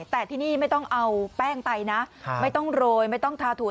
แต่ที่นี่ไม่ต้องเอาแป้งไปนะไม่ต้องโรยไม่ต้องทาถู